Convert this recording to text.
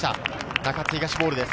中津東ボールです。